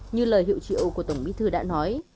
như lời hiệu triệu của tổng bí thư đã nói